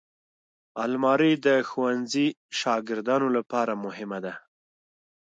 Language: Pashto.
الماري د ښوونځي شاګردانو لپاره مهمه ده